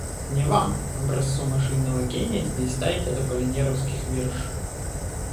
Не вам — образцу машинного гения — здесь таять от аполлинеровских вирш.